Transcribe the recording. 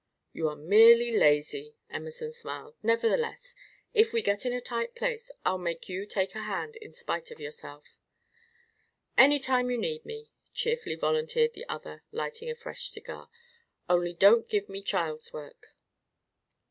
"You are merely lazy," Emerson smiled. "Nevertheless, if we get in a tight place, I'll make you take a hand in spite of yourself." "Any time you need me," cheerfully volunteered the other, lighting a fresh cigar. "Only don't give me child's work."